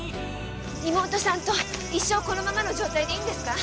妹さんと一生このままの状態でいいんですか？